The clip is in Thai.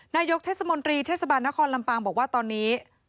นายกเทศมนตรีเทศบาลนครลำปางบอกว่าตอนนี้